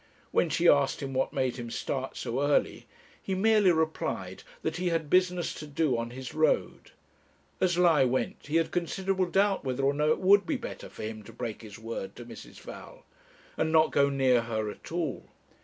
When she asked him what made him start so early, he merely replied that he had business to do on his road. As he went, he had considerable doubt whether or no it would be better for him to break his word to Mrs. Val, and not go near her at all.